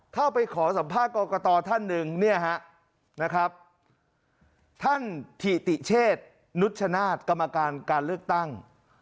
เข้าไปขอสัมภาษณ์กรกตท่านหนึ่งเนี่ยฮะนะครับท่านถิติเชษนุชชนาธิ์กรรมการการเลือกตั้ง